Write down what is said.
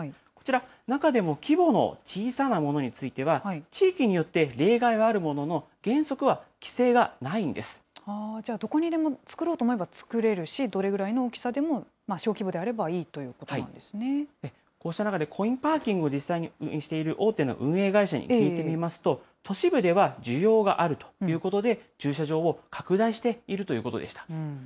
こちら、中でも規模の小さなものについては、地域によって例外はあるものの、原則は規制がないんじゃあ、どこにでも作ろうと思えば作れるし、どれぐらいの大きさでも小規模であればいいといこうした中で、コインパーキングを実際にしている大手の運営会社に聞いてみますと、都市部では需要があるということで、駐車場を拡大しているということでした。